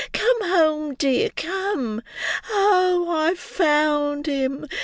Come home, dear, come. Oh, I've found him.